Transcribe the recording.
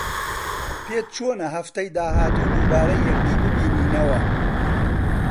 پێت چۆنە هەفتەی داهاتوو دووبارە یەکدی ببینینەوە؟